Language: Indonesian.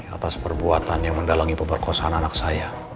atas perbuatan yang mendalangi pemerkosaan anak saya